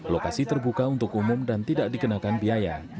lokasi terbuka untuk umum dan tidak dikenakan biaya